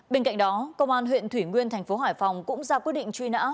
bên cạnh đó công an huyện thủy nguyên thành phố hải phòng cũng ra quyết định truy nã